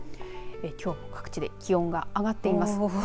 きょうも各地で気温が上がっています。